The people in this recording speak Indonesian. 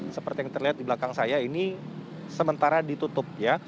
seperti yang terlihat di belakang saya ini sementara ditutup ya